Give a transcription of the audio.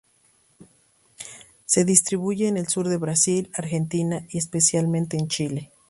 Se distribuye en el sur de Brasil, Argentina, y, especialmente, en Chile.